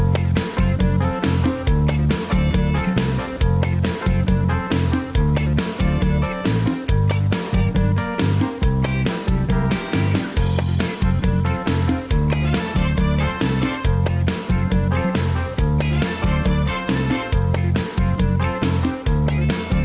โปรดติดตามตอนต่อไป